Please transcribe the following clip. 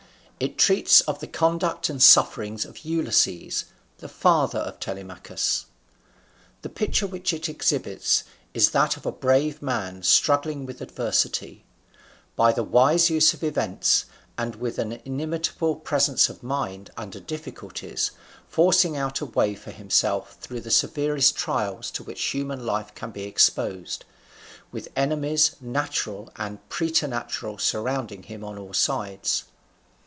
It treats of the conduct and sufferings of Ulysses, the father of Telemachus. The picture which it exhibits is that of a brave man struggling with adversity; by a wise use of events, and with an inimitable presence of mind under difficulties, forcing out a way for himself through the severest trials to which human life can be exposed; with enemies natural and preternatural surrounding him on all sides.